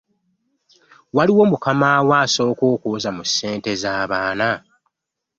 Waliwo mukama wo asooka okwoza mu ssente z'abaana?